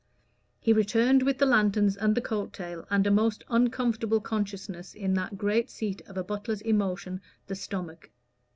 He returned with the lanterns and the coat tail and a most uncomfortable consciousness in that great seat of a butler's emotion, the stomach.